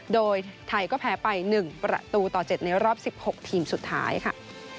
โดยไทยก็แพ้ไป๑ประตูต่อ๗ในรอบ๑๖ทีมสุดท้ายค่ะ